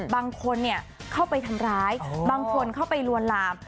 บางคนเข้าไปทำร้ายบางคนเข้าไปลวนลาม